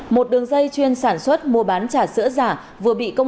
một đường dây chuyên sản xuất mua bán trả sữa giả vừa bị công an tp di an tỉnh bình dương